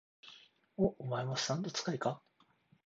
お、お前もスタンド使いか？